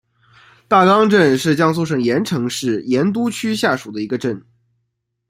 大冈镇是江苏省盐城市盐都区下属的一个镇。